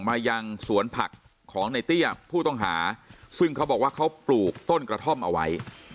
มายังสวนผักของในเตี้ยผู้ต้องหาซึ่งเขาบอกว่าเขาปลูกต้นกระท่อมเอาไว้